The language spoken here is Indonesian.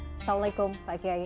assalamualaikum pak kiai